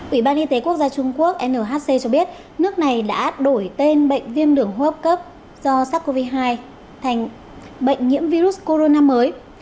ủy ban y tế quốc gia trung quốc nhc cho biết nước này đã đổi tên bệnh viêm đường hô hấp cấp do sars cov hai thành bệnh nhiễm virus corona mới